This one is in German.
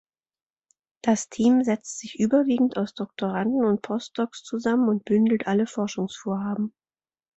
Das Team setzt sich überwiegend aus Doktoranden und Postdocs zusammen und bündelt alle Forschungsvorhaben.